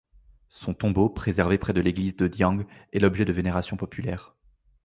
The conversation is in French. Son tombeau, préservé près de l’église de Diang, est l’objet de vénération populaire.